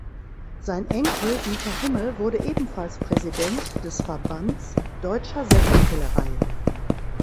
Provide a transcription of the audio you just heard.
Sein Enkel Diether Hummel wurde ebenfalls Präsident des Verbands Deutscher Sektkellereien.